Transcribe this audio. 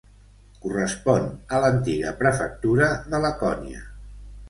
Correspon a l'antiga prefectura de Lacònia.